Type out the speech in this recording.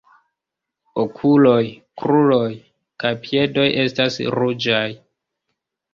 Okuloj, kruroj kaj piedoj estas ruĝaj.